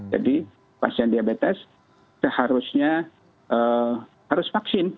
jadi pasien diabetes seharusnya harus vaksin